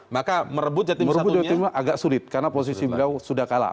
maka merebut dua tim agak sulit karena posisi beliau sudah kalah